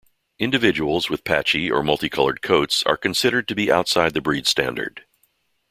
Individuals with patchy or multicolored coats are considered to be outside the breed standard.